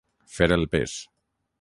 Fer el pes.